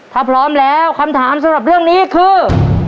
ถ้าพร้อมแล้วคำถามสำหรับเรื่องนี้คือ